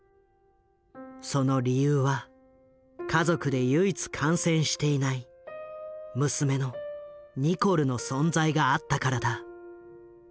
その理由は家族で唯一感染していない娘のニコルの存在があったからだ。